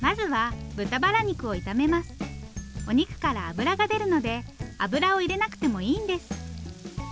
お肉から脂が出るので油を入れなくてもいいんです。